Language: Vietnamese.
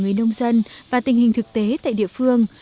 người nông dân và tình hình thực tế tại địa phương